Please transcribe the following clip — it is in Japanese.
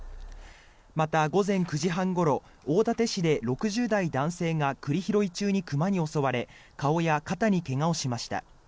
また、午前９時半ごろ大館市で６０代男性が栗拾い中に熊に襲われ顔や肩に怪我をしました。